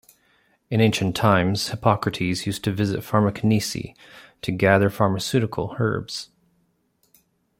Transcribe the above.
In ancient times, Hippocrates used to visit Farmakonisi to gather pharmaceutical herbs.